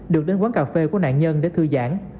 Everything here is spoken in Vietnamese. được đến quán cà phê của nạn nhân để thư giãn